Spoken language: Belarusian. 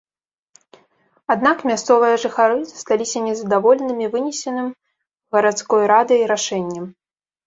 Аднак мясцовыя жыхары засталіся незадаволенымі вынесеным гарадской радай рашэннем.